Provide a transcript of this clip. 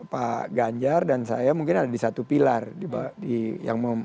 pak ganjar dan saya mungkin ada di satu pilar yang